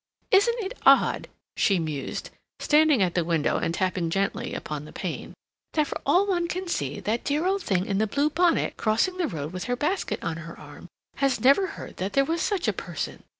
Isn't it odd," she mused, standing at the window and tapping gently upon the pane, "that for all one can see, that dear old thing in the blue bonnet, crossing the road with her basket on her arm, has never heard that there was such a person?